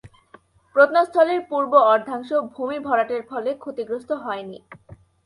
প্রত্নস্থলের পূর্ব অর্ধাংশ ভূমি ভরাটের ফলে ক্ষতিগ্রস্ত হয়নি।